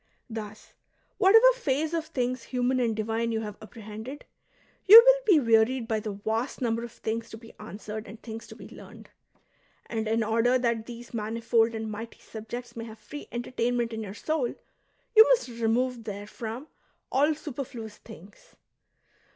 Thus, whatever phase of things human and divme you have apprehended, you Avill be wearied by the vast number of things to be answered and things to be learned. And in order that these manifold and mighty subjects may have free enter tainment in your soul, you must remove therefrom all superfluous things.